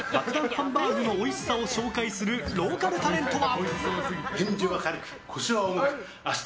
ハンバーグのおいしさを紹介するローカルタレントは。